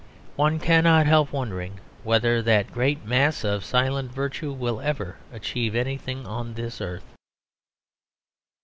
One cannot help wondering whether that great mass of silent virtue will ever achieve anything on this earth.